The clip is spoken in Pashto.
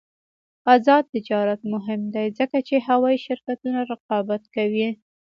آزاد تجارت مهم دی ځکه چې هوايي شرکتونه رقابت کوي.